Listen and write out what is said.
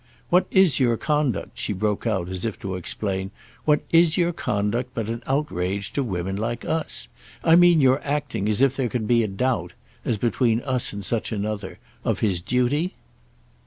"What is your conduct," she broke out as if to explain—"what is your conduct but an outrage to women like us? I mean your acting as if there can be a doubt—as between us and such another—of his duty?"